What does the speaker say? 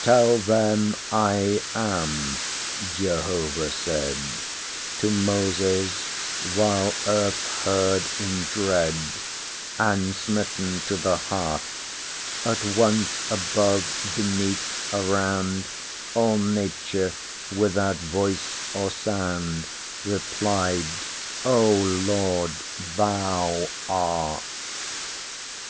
Tell them, I AM, Jehovah saidTo Moses; while earth heard in dread, And, smitten to the heart, At once above, beneath, around, All Nature, without voice or sound, Replied, 'O Lord, THOU ART.